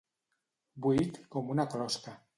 Buit com una closca.